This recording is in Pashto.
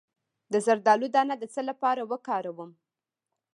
د زردالو دانه د څه لپاره وکاروم؟